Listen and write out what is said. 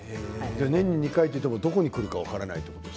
年に２回といってもどこにくるか分からないですね。